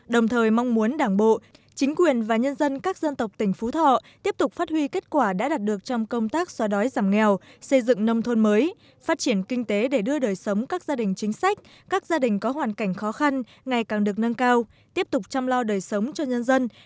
đồng thời mong muốn đảng bộ chính quyền và nhân dân các dân tộc tỉnh phú thọ tiếp tục phát huy kết quả đã đạt được trong công tác xóa đói giảm nghèo xây dựng nông thôn mới phát triển kinh tế để đưa đời sống các gia đình chính sách các gia đình có hoàn cảnh khó khăn ngày càng được nâng cao tiếp tục chăm lo đời sống cho nhân dân